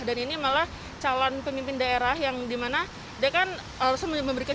dan ini malah calon pemimpin daerah yang dimana dia kan harus memberikan